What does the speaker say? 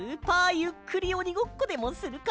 ゆっくりおにごっこでもするか？